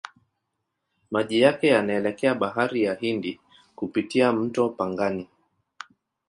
Maji yake yanaelekea Bahari ya Hindi kupitia mto Pangani.